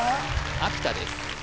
秋田です